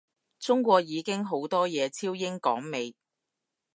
中國已經好多嘢超英趕美